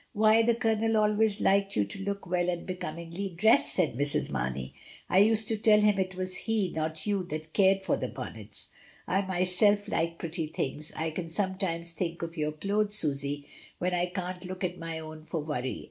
"Why, the Colonel always liked you to look well and becomingly dressed," said Mrs. Mamey. "I used to tell him it was he, not you, that cared for the bonnets. I myself like pretty things, I can sometimes think of your clothes, Susy, when I can't look at my own for worry.